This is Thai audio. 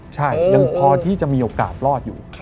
ใช่ยังพอที่จะมีโอกาสรอดอยู่